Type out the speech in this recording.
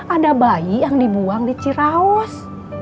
ada bayi yang dibuang di ciraus